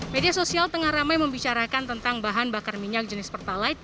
media sosial tengah ramai membicarakan tentang bahan bakar minyak jenis pertalite